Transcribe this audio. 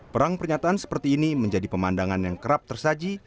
perang pernyataan seperti ini menjadi pemandangan yang kerap tersaji